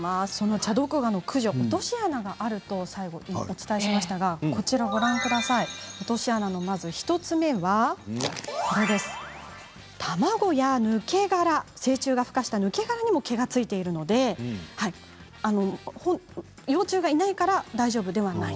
チャドクガの駆除には落とし穴があるとお伝えしましたがまず落とし穴の１つ目は卵や抜け殻成虫がふ化した抜け殻にも毛がついているので幼虫がいないから大丈夫ではない。